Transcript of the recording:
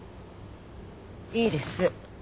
いいです。